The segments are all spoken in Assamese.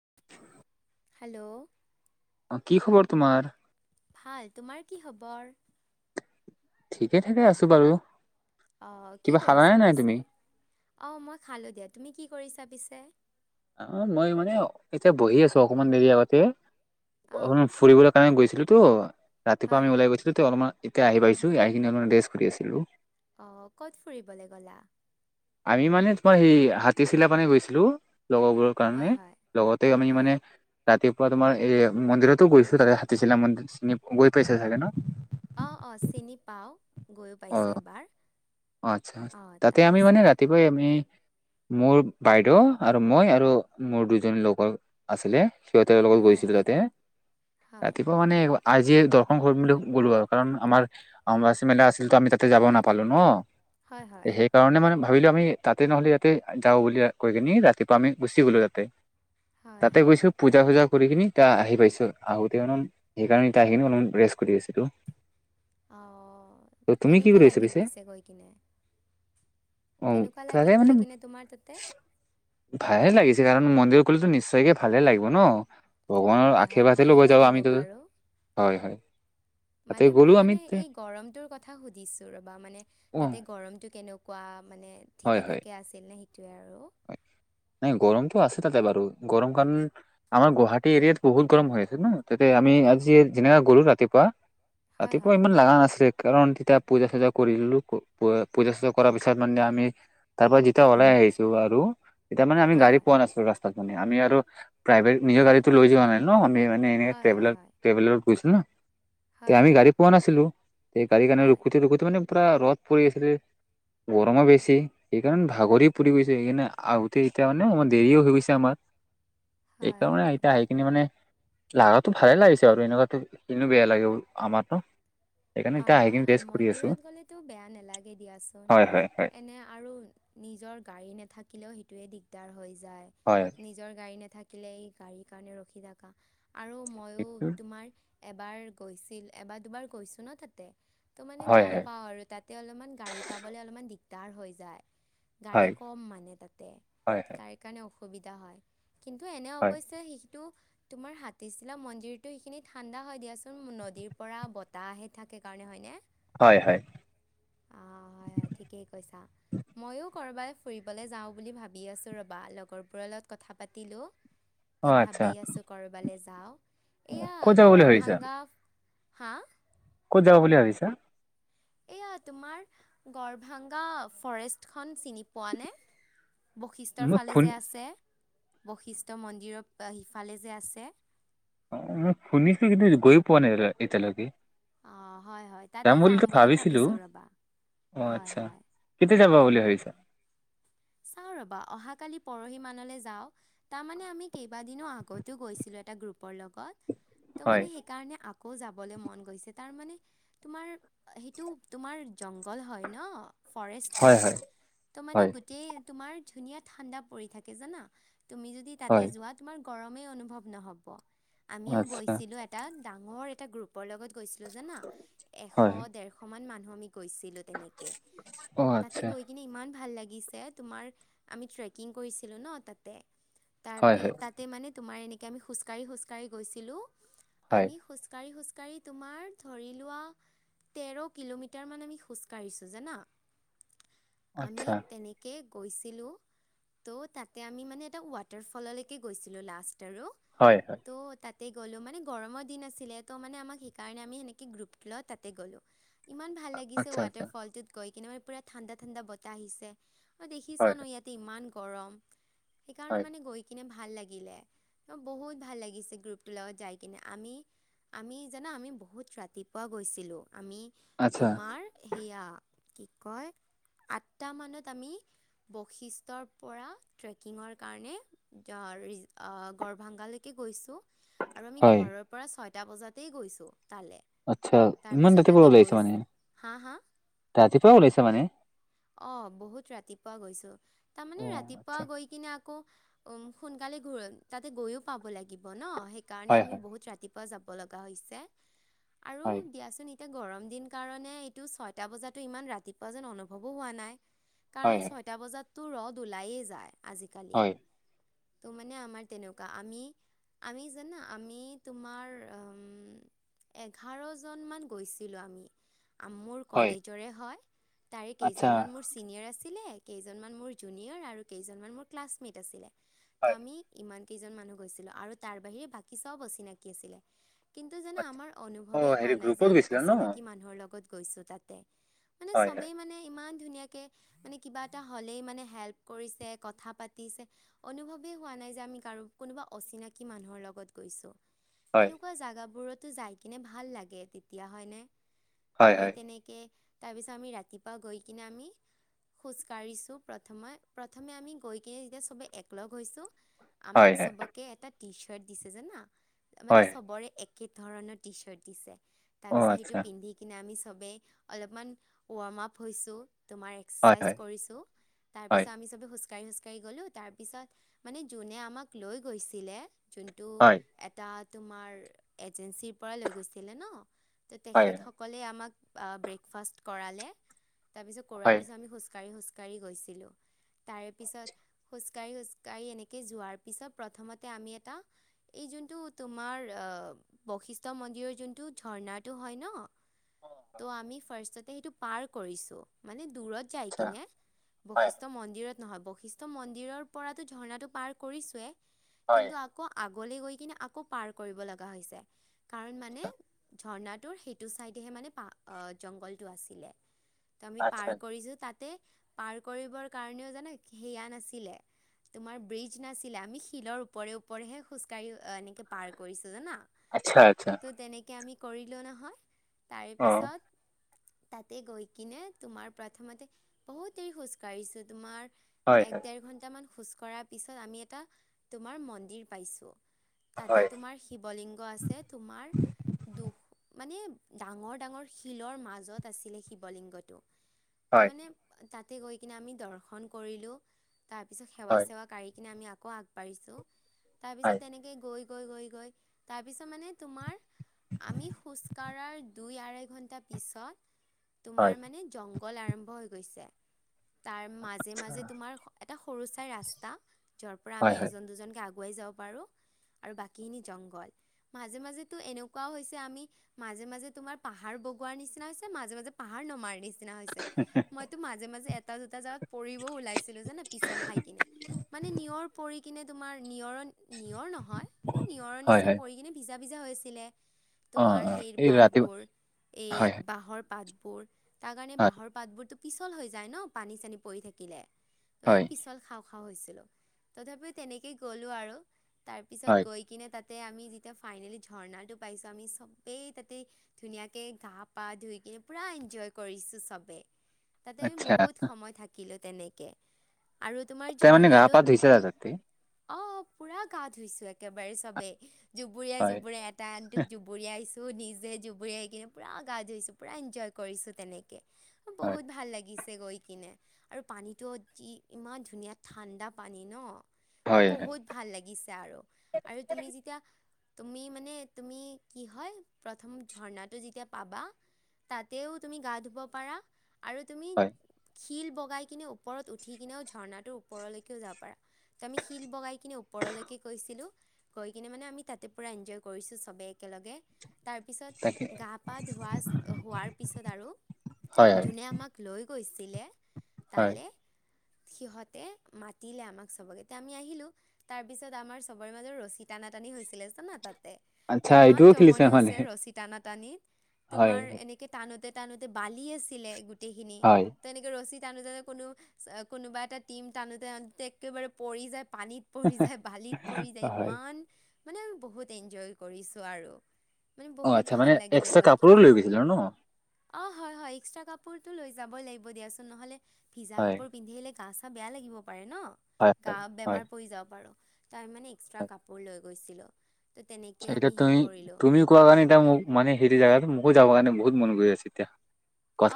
[inaudible] হেল্ল'। অ কি খবৰ তোমাৰ? ভাল, তোমাৰ কি খবৰ? ঠিকে থঠাকে আছো বাৰু অ, কি কিবা কৰি খালানে নাই চাবিছে তুমি অ, মই খালো দিয়া তুমি কি কৰি চাবিছে অ, মই মানে এতিয়া বহি আছো অকমান দেৰি আগতে অঁ অকমান ফুৰিবলৈ গৈছিলো তো ৰাতিপুৱ হয় আমি হয় ওলাই গৈছিলো, অলপমান এতিয়া আহি পাইছো আহি অলপমান ৰেষ্ট কৰি আছিলো অঁ ক'ত ফুৰিবলৈ গ'লা আমি মানে তোমাৰ সেই হাতীচিলা মানে গৈছিলো। লগৰবোৰৰ কাৰণে হয় হয় লগতে আমি মানে হয় ৰাতিপুৱা তোমাৰ এ মন্দিৰতো গৈছো তাতে শিলা মন্দিৰ চিনি গৈ পাইছা চাগে ন অ-অ চিনি পাও গৈ অ পাইছো এবাৰ আচ্ছা অঁ তাতে আমি মানে তাৰপিছত ৰাতিপুৱাই আমি মোৰ বাইদেউ আৰু মই আৰু মোৰ দুজনী লগৰ আছিলে সিহঁতৰ লগত হয় গৈছিলো হয় তাতে হয় ৰাতিপুৱা মানে আজি দৰ্শন কৰিম বুলি গ'লো আৰুা কাৰণ আমাৰ আমাচী মেলা আছিল তো আমি তাতে যাব নাপালোঁ ন' হয় হয় সেইকাৰণে মানে ভাবিলো আমি তাতে নহ'লে ইাতে যাওঁ বুলি কৈ কি নি ৰাতিপুৱা আমি গুচি গ'লো তাতে হয় তাতে হয় গৈছো পূজা চূজা কৰি কিি ত আহি পাইছো আহোতে অল সেইকাৰণেতি আহিি অলপমান ৰেষ্ট কৰি আহছো আহ কেনেকুৱা লাগিল পিছে গৈ কিনে অ কেনেকুৱা তাতে লাগিল মানে গৈ কিনে তোমাৰ তাতে ভালে লাগিছে কাৰণ মন্দিৰ খুলো নিশ্চয়কে ভালে লাগিব ন ভগৱানৰ হয় হয় আশীৰ্বাদে ভালেই লবৈ যাওঁ লাগিব আমিতো বাৰু হয় হয় তাতে মানে গ'লো মই আমি মানে তে- এই গৰমটোৰ কথা সুধিছো ৰবা মানে অ তাতে গৰমটো কেনেকুৱা মানে হয় ঠিকে হয় থঠাকে আছিল ন সেইটোৱে আৰু হয় নাই গৰমতটো আছে বাৰু গৰম কাৰণ আমাৰ গুৱাহাটী এৰিয়াাত বহুত গৰম হৈ আছে ন তাতে আমি আজি গ'লো ৰাতিপুৱা হয় ৰাতিপুৱা হয় ইমান লগা নাছিলে কাৰণ তেতিয়া পূজা চূজা কৰিলোঁ পূজা চজা কৰাৰ পিছত মানে আমি তাৰ পৰা যেতিয়া ওলাই আহিছো আৰু তেতিয়া মানে আমি হয় গাড়ী হয় পোৱা নাছিলো ৰাস্তাত আমি আৰু প্ৰাইভেট নিৰ গড়তটো লৈ যোৱা নাই ন আমি মানে হয় হয় হয় ট্ৰেভেলাৰ গো ন তে হয় হয় আমি গাড়ী পোৱা নাছিলো তে গাড়ীৰ কাৰণে হয় ৰুখোতে ৰৰুখোতে মানে। পূৰা ৰ'দ পৰি আছিলে গৰমো বেছি সেইকাৰণে ভাগৰি পৰি গৈছে সেইকাৰণে আগোতে এতিয়া মানে আাৰ দেৰিও হৈ গৈছে আমাৰ হয় এইকাৰণে আহতিয়া আহ কিনি মানে লাটো ভালে লাগিছে আৰুাৰ এনেকুৱো কিনো বেয়া লাগে আমাৰ নো অ হয় হয় মন্দিৰত গ'লেতো বেয়া নালাগে দিয়াচোন হয় হয় হয় এনে আৰু নিজৰ গাড়ী নাথাকিলেও সেইটোোৱে দিগদাৰ হৈ যায় হয় নিজৰ গাড়ী নথ থাকিলে গাড়ীৰ কাৰণে ৰখি থাকা আৰু হয় ময়ো তোমাৰ। এবাৰ গৈছিল এবাৰ দুবাৰ গৈছো ন তাতে ত' মানে গম হয় পাও আৰু তাতে অলপমান গাড়ী পাবলে অলপমান দিগদাৰ হৈ যায় গাড়ী হয় কম মানে তাতে হয় হয় তাৰ কাৰণে অসুবিধা হয় কিন্তু এনে হয় অৱশ্যে তোমাৰ হাতীচিলা মন্দিৰ টো সেইখিনি ঠাণ্ডা হয় দিয়াচোন নদীৰ পৰা বতাহে থাকে কাৰণে হয়নে হয় হয় অ হয় হয় ঠিকেই কৈছা মইো কৰবাই ফুৰিবলৈ যাও বুলি ভাবি আছো ৰবা লগৰবোৰৰ লগত কথা পাতিলো অ তে আচ্ছা ভাবি আছো কৰবালৈ এয়া ক'ত যাব বুলি ভাবিছা গৰভাংগা হা ক'ত যাব বুলি ভাবিছা এয়া তোমাৰ গড়ভাংগা ফৰেষ্টখন চিনি পোৱা নে বৈশিষ্ট্যৰ মোক ফালে শুন যে আছে বৈশিষ্ট মন্দিৰৰ সিফালে যে আছে। অ মই শুনিছো কিন্তু গৈ পোৱা নাই এতিয়ালৈকে অ' হয় হয় তাতে যাম বুলিতো বুলি ভাবিছিলো ভাবিছো ৰবা অ হয় আচ্ছা হয় কেতিয়া যাব বুলি ভাবিছা চ ৰ'বা অহাকালি পৰহি মানলৈ যাওঁ তাৰমানে আমি কেইবাদিনো আগতো গৈছিলোঁ এটা গ্ৰুপৰ লগত ত হয় মানে সেইকাৰণে আকৌ যাবলৈ মন গৈছে তাৰমানানে তোমাৰ সেইটো তোমাৰ জংঘল হয় ন ফৰেষ্ট হয় তো মানে হয় গোটেই তোমাৰ ধুনীয়া ঠাণ্ডা পৰি থাকে জানা তুমি যদি তাতে হয় যোৱা তোমাৰ। গ ন আমি গৈ আচ্ছা এাঙৰ পৰ লগত গৈছিলো জানা এশ হয় দেৰশ মান মানুহমিক। গৈছিলো তেনেকে অ তাতে আচ্ছা গৈ কিনে ইমান ভাল লাগিছিল। এ তোমাৰ আমি চেকিং কৰিছিলোঁ ন। হয় হয় তোমাৰ এনেকে আমি খোজকাঢ়ি খোজকাঢ়ি গৈছিলো হয় আমি খোজকাঢ়ি খোজকাঢ়ি। কাৰী তোমাৰ ধৰি লোৱা। তেৰ কিলোমিটাৰ মান আমি খোজকাঢ়িছো জানা আমি আচ্ছা তেনে গৈছিলো ত' তাতে আমি মানে এটা ৱাটাৰ ফললৈকে গৈছিলো লাষ্ট হয় হয় [unintelligible] তাতে গ'লো মানে গৰমৰ দিন আছিলে ত' মানে আমাক সেইকাৰণে আমি সেনেকে গ্ৰুপগিলা তাতে গ'লো। ইমান ভাল লাগিছে আচ্ছা আচ্ছা ৱাটাৰ ফলটোত গৈ কিনে মানে পুৰা ঠাণ্ডা ঠাণ্ডা বতাহ আহিছে মই দেখিছা হয় নে ইয়াতে ইমান গৰম সেইকাৰণে হয় মানে গৈ কেনে ভাল লাগিলে। বহুত ভাল লাগিছে গ্ৰুপটোৰ লগত যাই কিনে আমি। আমি জানো আমি বহুত ৰাতিপুৱা গৈছিলো। আমি আচ্ছা তোমাৰ সেয়া কি কয় আঠটা মানত আমি। বশিষ্টৰ পৰা ট্ৰেকিঙৰ কাৰণে গৰ্ভাংগাত গৈছো আৰু আমি হয় ঘৰৰ পৰা ছয়টা বজাতে গৈছো আচ্ছা ইমান ৰাতিপুৱা গৈ ওলাইছে মানে হা হা ৰাতিপুৱা ওলাইছে মানে। অ বহুত ৰাতিপুৱা গৈছো অ তাৰমানে ৰাতিপুৱা আচ্ছা গৈ কিনে। সোনকালে তাতে গৈও পাব লাগিব ন সেইকাৰণে হয় আমি হয় বহুত ৰাতি। যাব লগা হৈছে আৰু হয় দিয়াচোন। এতিয়া গৰম দিন কাৰণে এইটো ছয়টা বজাতো ইমান ৰাতিপুৱা যেন অনুভৱো হোৱা নাই। হয়। বজাতো ৰ'দ ওলাইে যায় আজিকালি হয় ত' মানে আমাৰ তেনেকুৱা আমি। আমি জানা আমি তোমাৰ উম'। এঘাৰজনমান গৈছিলো, আমি মোৰ হয় কলেজৰে হয়। তাৰে আচ্ছা কেইজনমান মোৰ ছিনিয়ৰ আছিলে কেইজনমান মোৰ জুনিয়ৰ আৰু কেইজনমান মোৰ ক্লাছমেট আছিলে ত' হয় আমি ইমান কেইজন মানুহ গৈছিলো আৰু তাৰ বাহিৰে বাকী চব অচিনাকি আছিলে কিন্তু জানা আচ্ছা। আমাৰ অ অনুভৱেই হোৱা হেৰি নাই যে গ্ৰুপত আমি গৈছিলা ন অচিনাকি মানুহৰ লগত গৈছো তাতে। মানে হয় হয় চবেই মানে ইমান ধুনীয়াকে মানে। কিবা এটা হ'লেই মানে হেল্প কৰিছে, কথা পাতিছে, অনুভৱেই হোৱা নাই যে অচিনাকি মানুহৰ লগত গৈছো। হয় এনেকুৱা জাগাবোৰতো যাই কিনে ভাল লাগে তেতিয়া হয় ন'। হয় আমি হয় তেনেকে তাৰপিছত আমি ৰাতিপুৱা গৈ কিনে আমি খোজকাাঢ়িছোঁ প্ৰথমে প্ৰথমে আমি গৈ কিনে য চবেই এককলগ হৈছোঁ আমাক হয় হয় চবকে এটা টি চাৰ্ট দিছে জানা মানে হয় চবৰে একে ধৰণৰ টি চাৰ্ট দিছে অ তাৰপিছত আচ্ছা সেইটো পিন্ধি কিনে আমি ৱাৰ্ম আপ হৈছো চবেই অলপমান। হয় এক্চাইজ হয় কৰিছো তাৰ হয় পিছত আমি চবে খোজু খোজকাাঢ়ি, খোজকাঢ়ি গলো, তাৰপিছত মানে যোনে আমাক লৈ গৈছিলে। যোনটো হয় এটা তোমাৰ এজেঞ্চিৰ পৰা লৈ গৈছিলে ন'। তো হয় তেখেতসকলে আমাক ব্ৰেকফাষ্ট কৰালে তাৰপিছত হয় তাৰপিছত আমি খোজকাঢ়ি খোজকাঢ়ি গৈছি লো তাৰে পিছত খোজকাঢ়ি খোজকাঢ়ি এনেকে যোৱাৰ পিছত প্ৰথমতে আমি এটা এই যোনটো তোমাৰ অ' বৈশিষ্ট মন্দিৰৰ যোনটো ঝৰ্ণাটো হয় ন'। ত' আমি ফাৰ্ষ্ট যে সেইটো পাৰ কৰিছো মানে। আচ্ছা [unintelligible] [inaudible] হয় বৈশিষ্ঠ মন্দিৰৰ পৰাতো ঝৰ্ণাটো পাৰ কৰিছোৱেই হয় কিন্তু আকৌ [inaudible] মানে জংঘলটো আছিলে। ত' আমি আচ্ছা পাৰ কৰিছো তাতে পাৰ কৰিবৰ কাৰণেও জানো সেয়া নাছিলে। তোমাৰ ব্ৰিজ নাছিলে আমি শিলৰ ওপৰে ওপৰেহে খোজ কঢ়ি এনেকে পাৰ কৰিছো। আচ্ছা আচ্ছা। ত' আমি কৰিলোঁ নহয় তাৰে অ পিছত তাতে গৈ কিনে। তোমাৰ প্ৰথমতে বহুত দেৰি খোজ কঢ়িছো তোমাৰ হয় এক হয় দেৰ ঘন্ট মান। খোজ কঢ়াৰ পিছত আমি এটা তোমাৰ মন্দিৰ পাইছোঁ। তাতে হয় তোমাৰ শিৱলিংগ আছে তোমাৰ দুখ মানে ডাঙৰ ডাঙৰ শিলৰ মাজত আছিলে শিৱলিংগটো। ত হয় মানে তাতে গৈ কিনে আমি দৰ্শন কৰিলো। তাৰপিছত সেৱা হয় চেৱা কৰিি কিনে আমি আকৌ আগবাঢ়িছোঁ হয় তাৰপিছত তেনেকৈ গৈ গৈ গৈ গৈ তাৰপিছত মানে তোমাৰ আমি খোজকাঢ়াৰ দুই আঢ় ঘণ্টা পিছত তোমাৰ হয় মানে জংঘল আৰম্ভ হৈ গৈছে। তাৰ মাজে মাজে তোমাৰ এটা সৰু চাই ৰাস্তা যাৰ পৰা আমি হয় হয় এজন দুজনকে আগ আগুৱাই যাব পাৰোঁ। আৰু বাকীখিনি জংঘল মাজে মাজো এনেকুৱও হৈছে আমি মাজে মাজে তোমাৰ পাহাৰ বগোৱাৰ নিচিনা হৈছে মাজে মাজে পাহাৰ নমাৰ নিচিনা হৈছে মইতো মাজে মাজে এটা দুোটা যা পৰিবও ওলাইছিলোঁ জানা পিছল খাই কিনে মানে নিয়ৰ পৰি কিনে তোমাৰ নিয়ৰৰ নিয়ৰ নহয় নিয়ৰৰ হয় নিচিনা হয় পৰি কিনে ভিজা ভিজা হৈছিলে। অ তোমাৰ অ সেই এই ৰাতিপুৱা পাতবোৰ এই হয় বাঁহৰ পাতবোৰ। তাৰ কাৰণে হয় বাঁহৰ পাতবোৰতো পিছল হৈ যায় ন পানী চানী পৰি থাকিলে ত হয় পিছল খাওঁ। ছিলো তথাপি তেনেকেই গলো আৰু তাৰ পিছত হয় গৈ কিনে তাত। তা আমি যেতিয়া ফাইনেলি ঝৰ্ণাটো পাইছো আমি চবেই তাতে ধুনীয়াকে গা পা ধুই পুৰা এনজয় কৰিছোঁ চবেই, তাতে আমি আচ্ছা বহুত সময় থাকিলোঁ তেনেকে। আৰু তোমাৰ তে মানে গা ঝৰ্ণাটোত পা ধুইছা ৰাতি? অ পুৰা গা ধুইছো একেবাৰে চবেই জুবুুৰীয়াই হয় জুবুৰিাই এটা আনটোক জুবুৰীয়াইছো। ত নিজে জুবুৰিয়াই কিনে পুৰা গা ধুইছো পুৰা এনজয় কৰিছোঁ তেনেকে। হয় বহুত ভাল লাগিছে। গৈ কিনে আৰু পানীটোঅ ইমান ধুনীয়া ঠাণ্ডা পানী ন। হয় হয় বহুত ভাল লাগিছে আৰু, আৰু তুমি যেতিয়া তুমি মানে তুমি কি হয় প্ৰথম ঝৰ্ণাটো যেতিয়া পাবা তাতেও তুমি গা ধুব পাৰা আৰু তুমি হয় শিল বগাই কিনে ওপৰত উঠি কিনেও ঝৰ্ণাটোৰ ওপৰলৈকেও যাব পাৰা। ত আমি শিল বগাই কিনে ওপৰলৈকে গৈছিলো গৈ কিনে মানে আমি তাতে পুৰা এনজয় কৰিছো চবেকে ল। তাৰ তাকে পিছত গা পা ধোৱা হোৱাৰ পিছত আৰু হয় হয় যোনে আমাক লৈ গৈছিলে হয় তালে সিহঁতে মাতিলে আমাক চবক এতিয়া আমি আহিলো তাৰ পিছত আমাৰ চবৰে মাজত ৰছী টান টানি হৈছিলে জানা তাত। আচ্ছা ইমান এইটোও খেলিছে জমনি মানে হৈছে ৰচী টানা টানিত হয় তোমাৰ হয় এনে টানোতে টানোতে বালি আছিলে গোটেইখিনি ত এনেকে ৰচি [unintelligible] কোনো কোনোবা এটা টিম টানুতে টানুতে একেবাৰে পৰি যায় পানীত পৰি যায় বালিত পৰি যায় হয় ইমান মানে আমি বহুত এনজয় কৰিছো আৰু। মানে অ বহুত আচ্ছা ভাল মানে লাগিলে এক্সট্ৰা গৈ কাপোৰো কিনে লৈ গৈছিলে আৰু ন? অ হয় হয় এক্সট্ৰা কপোৰটো লৈ যাব লাগিব দিয়াচোন, নহলে ভিজা হয় কাপোৰ পিন্ধি আহিলে গা চা বেয়া লাগিব পাৰে ন, হয় গা হয় হয় বেমাৰ পৰি যাব পাৰোঁ। তাই মানে এক্সট্ৰা কাপোৰ লৈ গৈছিলোঁ। ত' তেনেকে এয়া আমি হেৰি তুমি কৰিলোঁ তুমি কোৱা কাৰণে এ মোক মানে হেৰি জোগাটো আৌ যাব কাৰণে বহতন গৈ আছে এতিয়া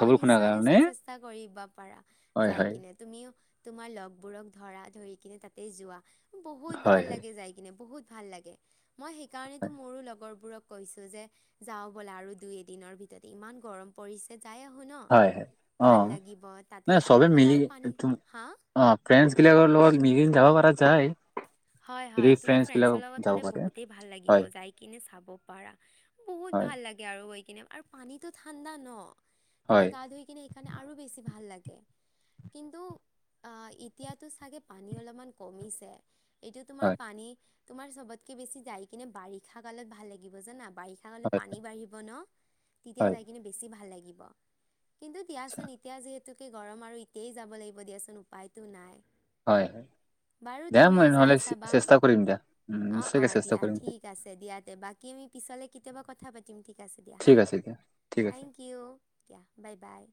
অ' শুনাৰ কাৰণে নিশ্চয়-নিশ্চয় চেষ্টা কৰিবা পাৰা হয় যাই হয় কিনে তুমিও তোমাৰ লগবোৰক ধৰা ধৰি কিনে তাতেই যোৱা বহুত হয় ভাল হয় লাগে যাই কিনে বহুত ভাল লাগে। মই সেইকাৰণেতো হয় মোৰো লগৰবোৰক কৈছো যে যাওঁ বোলে আৰু দুই এদিনৰ ভিততে ইমান গৰম পৰিছে। যাই আহো ন হয় হয় ভাল অ লাগিব তাতে নাই চবে অ' মিলি তাৰ পানী হা অ', ফ্ৰেজ গিলাক লগত মিলি যাব পাৰা যায়। হয় হয় যদি হয় তুমি ফ্ৰেণ্ডছ ফ্ৰেচৰ বিলাকক লগত যাব গ'লে পাৰে বহুত ভাল লাগিব হয় যায় কিনে চাব পাৰা বহুত হয় ভাল লাগে আৰু। আৰু পানীতটো ঠাণ্ডা ন তোমাৰ হয় গা ধুই কিনে সেইকাৰণে আৰু বেছি ভাল লাগে। কিন্তু আহ এতিয়াতো চাগে পানী অলপমান কমিছে। এইটো তোমাৰ হয় পানী তোমাৰ চবতকে বেছি যাই কিনে বাৰিষা কালত ভাল লাগিব জানা বাৰিষা কালত হয় পানী বাঢ়িব ন তেতিয়া হয় যাই কিনে বেছি ভাল লাগিব। কিন্তু আচ্ছা দিয়াচোন এতিয়া যিহেতুকে গৰম আৰু এতিয় যাব লাগিব দিয়াচোন উপায়তো নাই। হয় হয় যাম। যায় চাবা অ, অ, চেষ্টা দিয়া কৰিম ঠিক আছে দিয়া দে বাকী আমি পিছলৈকে কেতিয়াবা কথা পাতিম। ঠিক আছে দিয়া হা ঠিক আছে দিয়া ঠিক আছে থেংক ইউ দিয়া বাই বাই।